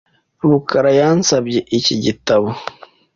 rukara yansabye iki gitabo .